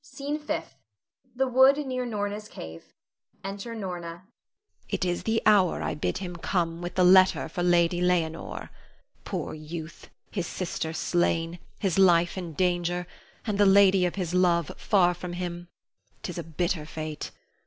SCENE FIFTH. [The wood near Norna's cave. Enter Norna.] Norna. It is the hour I bid him come with the letter for Lady Leonore. Poor youth, his sister slain, his life in danger, and the lady of his love far from him, 'tis a bitter fate.